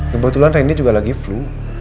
kebetulan randy juga lagi flu